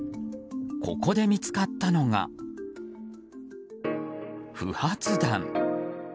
ここで見つかったのが、不発弾。